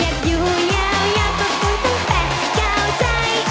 อยากอยู่ยาวอยากประภูมิทั้งแปดเก่าใจ